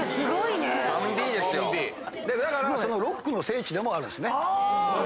だからロックの聖地でもあるんですね。